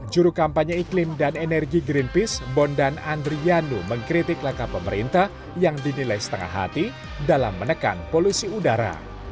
juru kampanye iklim dan energi greenpeace bondan andrianu mengkritik langkah pemerintah yang dinilai setengah hati dalam menekan polusi udara